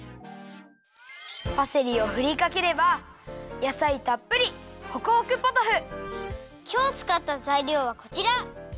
パセリをふりかければやさいたっぷりきょうつかったざいりょうはこちら！